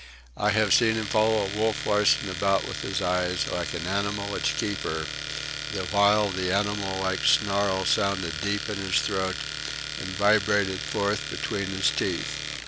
I have seen him follow Wolf Larsen about with his eyes, like an animal its keeper, the while the animal like snarl sounded deep in his throat and vibrated forth between his teeth.